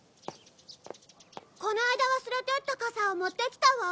この間忘れていった傘を持ってきたわ。